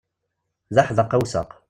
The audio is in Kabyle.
D aḥdaq awsaq.